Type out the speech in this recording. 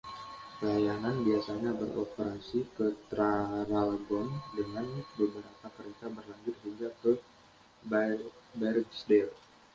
Layanan biasanya beroperasi ke Traralgon, dengan beberapa kereta berlanjut hingga ke Bairnsdale.